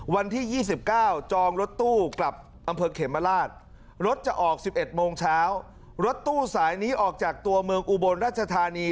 วันที่๒๙จองรถตู้กลับอำเภอเขมราชรถจะออก๑๑โมงเช้ารถตู้สายนี้ออกจากตัวเมืองอุบลราชธานี